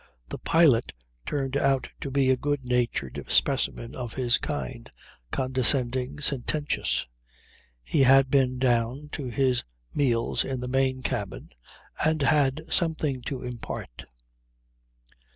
The pilot turned out to be a good natured specimen of his kind, condescending, sententious. He had been down to his meals in the main cabin, and had something to impart.